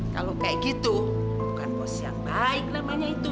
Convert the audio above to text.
kalau kayak gitu bukan pos yang baik namanya itu